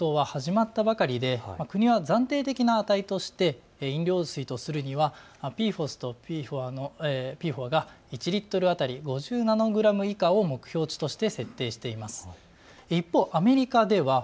有害性についての検討は始まったばかりで国は暫定的な値として飲料水とするにはＰＦＯＳとＰＦＯＡが１リットル当たり５０ナノグラム以下を目標値として設定しています。